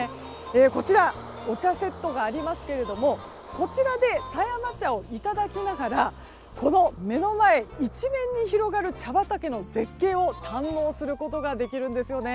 こちら、お茶セットがありますがこちらで狭山茶をいただきながらこの目の前一面に広がる茶畑の絶景を堪能することができるんです。